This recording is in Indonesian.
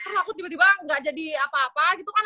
takut tiba tiba gak jadi apa apa gitu kan